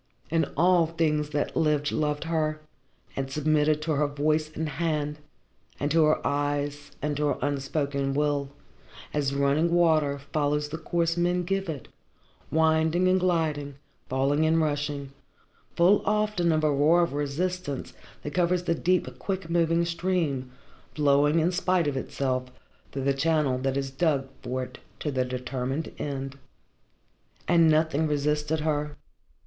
And all things that lived, loved her, and submitted to her voice and hand, and to her eyes and to her unspoken will, as running water follows the course men give it, winding and gliding, falling and rushing, full often of a roar of resistance that covers the deep, quick moving stream, flowing in spite of itself through the channel that is dug for it to the determined end. And nothing resisted her.